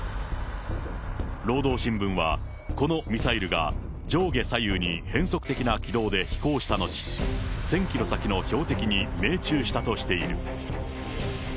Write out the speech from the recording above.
労働新聞は、このミサイルが上下左右に変則的な軌道で飛行した後、１０００キロ先の標的に命中したとしている。